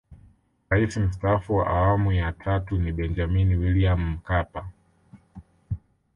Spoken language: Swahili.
Rais Mstaafu wa Awamu ya Tatu ni Benjamini William Mkapa